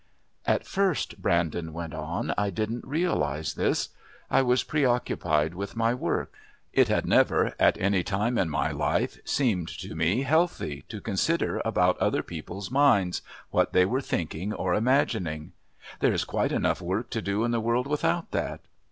"At first," Brandon went on, "I didn't realise this. I was preoccupied with my work. It had never, at any time in my life, seemed to me healthy to consider about other people's minds, what they were thinking or imagining. There is quite enough work to do in the world without that.